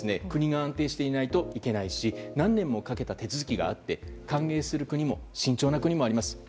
国が安定していないといけないし何年もかけた手続きがあって歓迎する国も慎重な国もあります。